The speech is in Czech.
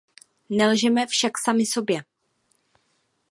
Nelžeme však sami sobě.